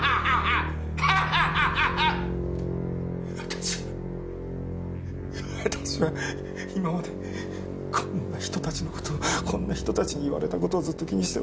私は私は今までこんな人たちの事をこんな人たちに言われた事をずっと気にして。